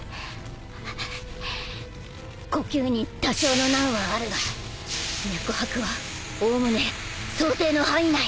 呼吸に多少の難はあるが脈拍はおおむね想定の範囲内。